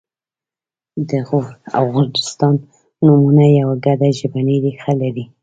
د غور او غرجستان نومونه یوه ګډه ژبنۍ ریښه لري